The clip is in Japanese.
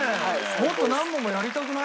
もっと何問もやりたくない？